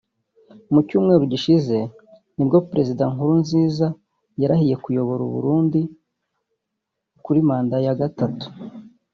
Mu cyumweru gishize nibwo Perezida Nkurunziza yarahiye kuyobora u Burundi kuri manda ya gatatu